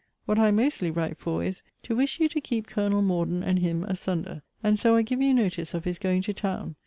What I mostly write for is, to wish you to keep Colonel Morden and him asunder; and so I give you notice of his going to town.